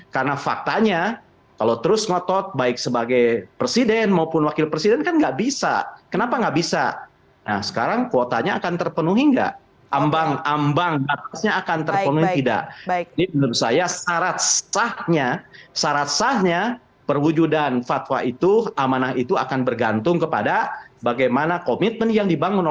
karena faktanya kalau terus ngotot baik sebagai presiden maupun wakil presiden kan nggak bisa